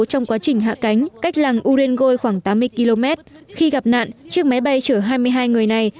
trong quá trình hạ cánh cách làng urenoi khoảng tám mươi km khi gặp nạn chiếc máy bay chở hai mươi hai người này